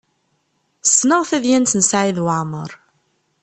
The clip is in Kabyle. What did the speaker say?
Ssneɣ tadyalt n Saɛid Waɛmaṛ.